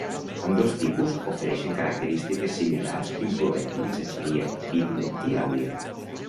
Ambdós tipus ofereixen característiques similars incloent-hi missatgeria, vídeo i àudio.